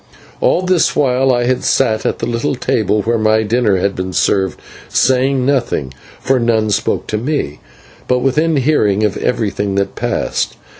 All this while I sat at the little table where my dinner had been served, saying nothing, for none spoke to me, but within hearing of everything that passed.